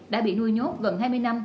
đã bị nuôi nhốt gần hai mươi năm